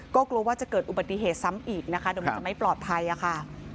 ก็กลัวว่าจะเกิดอุบัติเหตุซ้ำอีกนะคะเดี๋ยวมันจะไม่ปลอดภัยค่ะ